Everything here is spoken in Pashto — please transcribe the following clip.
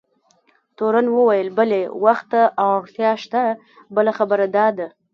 تورن وویل: بلي، وخت ته اړتیا شته، بله خبره دا ده.